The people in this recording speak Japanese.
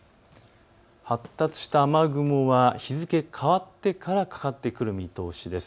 発達した雨雲は日付が変わってからかかってくる見通しです。